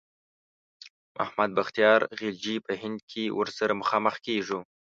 محمد بختیار خلجي په هند کې ورسره مخامخ کیږو.